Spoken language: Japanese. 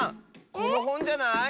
このほんじゃない？